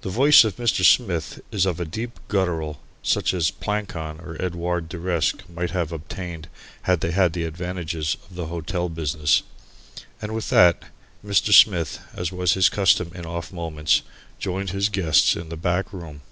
The voice of Mr. Smith is of a deep guttural such as Plancon or Edouard de Reske might have obtained had they had the advantages of the hotel business. And with that, Mr. Smith, as was his custom in off moments, joined his guests in the back room.